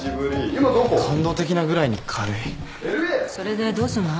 それでどうすんの？